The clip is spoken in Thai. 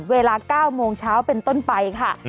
เวลา๙โมงเช้าเป็นต้นไปค่ะ